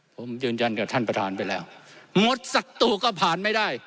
ผมยืนยันกับท่านประธานไปแล้วงดสักตัวก็ผ่านไม่ได้